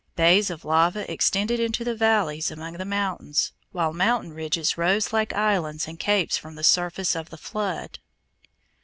Bays of lava extended into the valleys among the mountains, while mountain ridges rose like islands and capes from the surface of the flood.